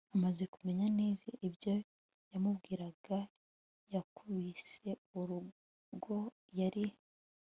amaze kumenya neza ibyo yamubwiraga yakubise urugo, yari